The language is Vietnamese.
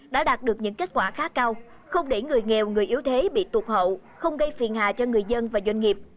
đã đạt được những kết quả khá cao không để người nghèo người yếu thế bị tuột hậu không gây phiền hà cho người dân và doanh nghiệp